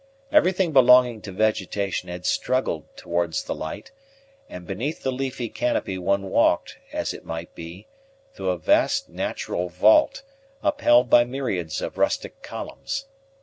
Everything belonging to vegetation had struggled towards the light, and beneath the leafy canopy one walked, as it might be, through a vast natural vault, upheld by myriads of rustic columns.